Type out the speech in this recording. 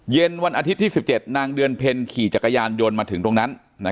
เย็นวันอาทิตย์ที่๑๗นางเดือนเพ็ญขี่จักรยานยนต์มาถึงตรงนั้น